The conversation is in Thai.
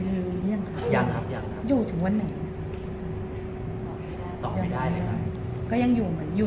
หรือเป็นอะไรที่คุณต้องการให้ดู